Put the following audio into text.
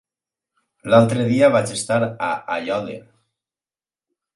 L'altre dia vaig estar a Aiòder.